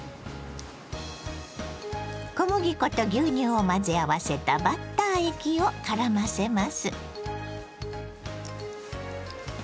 小麦粉と牛乳を混ぜ合わせたバッター液をからませます。